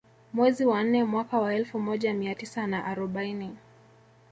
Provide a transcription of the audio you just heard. Mwezi wa nne mwaka wa elfu moja mia tisa na arobaini